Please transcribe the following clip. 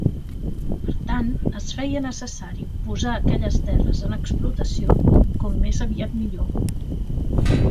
Per tant, es feia necessari posar aquelles terres en explotació com més aviat millor.